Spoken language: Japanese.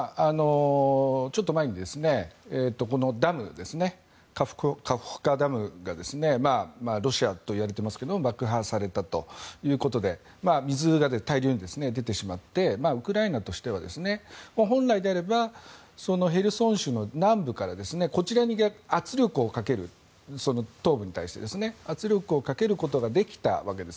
ちょっと前にカホフカダムがロシアといわれていますが爆破されたということで水が大量に出てウクライナとしては本来であればヘルソン市の南部からこちらに圧力をかける東部に対してですね。圧力をかけることができたわけです。